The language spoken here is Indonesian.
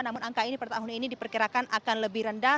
namun angka ini per tahun ini diperkirakan akan lebih rendah